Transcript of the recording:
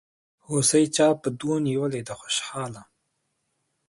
هوسۍ چا په دو نيولې دي خوشحاله